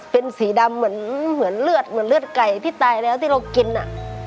เป็นสีดำเหมือนเลือดไก่ที่ตายแล้วที่เรากินอ่ะ